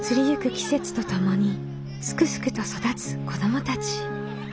季節とともにすくすくと育つ子どもたち。